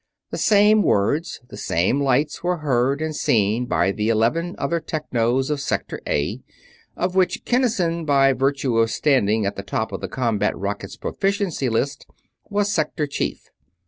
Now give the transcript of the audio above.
The same words, the same lights, were heard and seen by the eleven other Technos of Sector A, of which Kinnison, by virtue of standing at the top of his Combat Rocket's Proficiency List, was Sector Chief.